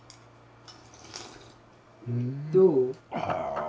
どう？